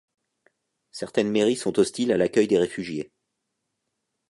Certaines mairies sont hostiles à l'accueil des réfugiés.